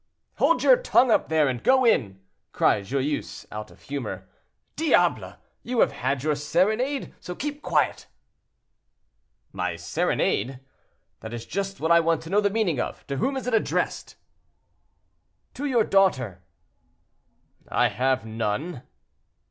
"Hold your tongue up there and go in," cried Joyeuse, out of humor. "Diable! you have had your serenade, so keep quiet." "My serenade! that is just what I want to know the meaning of; to whom is it addressed?" "To your daughter." "I have none."